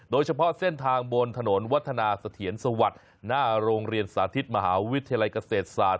โดยเฉพาะเส้นทางบนถนนวัฒนาเสถียรสวัสดิ์หน้าโรงเรียนสาธิตมหาวิทยาลัยเกษตรศาสตร์